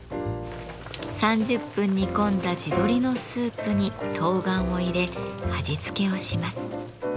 ３０分煮込んだ地鶏のスープに冬瓜を入れ味付けをします。